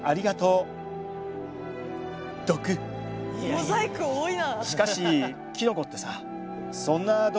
モザイク多いな。